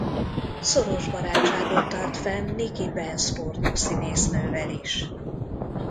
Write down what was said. Szoros barátságot tart fenn Nikki Benz pornószínésznővel is.